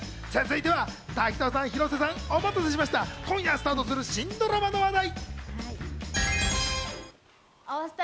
続いては滝藤さん、広瀬さん、お待たせしました、今夜スタートする新ドラマの話題。